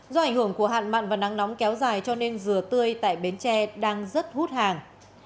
do ảnh hưởng của hạn mặn và nắng nóng kéo dài cho nên dừa tươi tại bến tre đang rất hút hàng